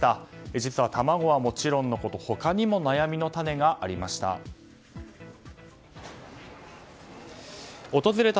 実は卵はもちろんのこと他にも悩みの種がありました。